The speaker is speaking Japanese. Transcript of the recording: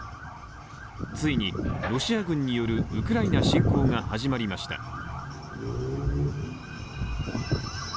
ついに、ロシア軍によるウクライナ侵攻が始まりました。